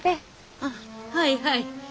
ああはいはい。